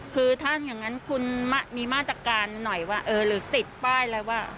คือถ้าอย่างนั้นคุณมีมาตรการหน่อยว่าเออหรือติดป้ายอะไรว่า